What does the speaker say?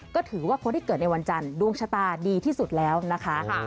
ก็ถือว่าคนที่เกิดในวันจันทร์ดวงชะตาดีที่สุดแล้วนะคะ